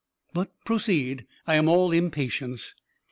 "But proceed I am all impatience."